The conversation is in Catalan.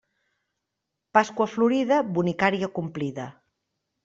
Pasqua florida, bonicària complida.